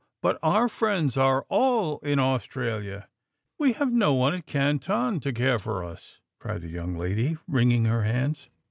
but our friends are all in Australia; we have no one at Canton to care for us," cried the young lady, wringing her hands.